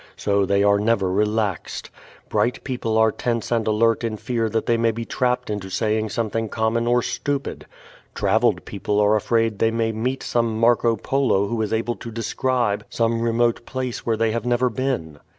So they are never relaxed. Bright people are tense and alert in fear that they may be trapped into saying something common or stupid. Traveled people are afraid that they may meet some Marco Polo who is able to describe some remote place where they have never been.